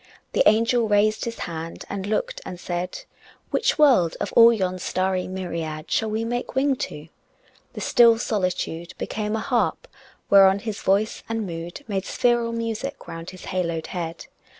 The angel raised his hand and looked and said, "Which world, of all yon starry myriad Shall we make wing to?" The still solitude Became a harp whereon his voice and mood Made spheral music round his haloed head.